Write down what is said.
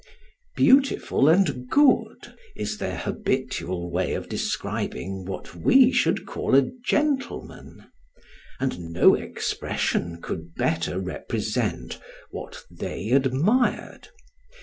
"Beautiful and good" is their habitual way of describing what we should call a gentleman; and no expression could better represent what they admired.